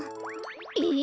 ええ？